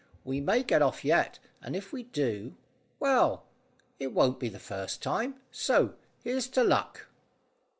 We may get off yet, and if we do well, it won't be the first time; so, here's to luck."